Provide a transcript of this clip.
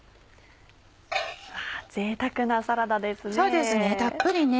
ぜいたくなサラダですね。